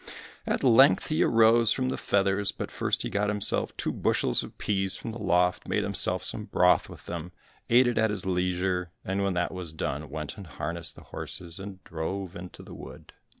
At length he arose from the feathers, but first he got himself two bushels of peas from the loft, made himself some broth with them, ate it at his leisure, and when that was done, went and harnessed the horses, and drove into the wood.